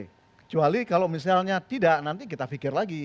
kecuali kalau misalnya tidak nanti kita pikir lagi